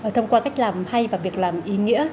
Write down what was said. thông qua cách làm hay và việc làm ý nghĩa